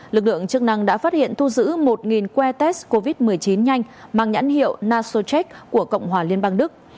lực lượng chức năng đã phát hiện thu giữ một que test covid một mươi chín nhanh mang nhãn hiệu nasochek của cộng hòa liên bang đức